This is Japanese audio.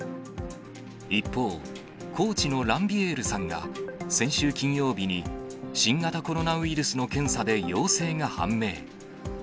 一方、コーチのランビエールさんが、先週金曜日に新型コロナウイルスの検査で陽性が判明。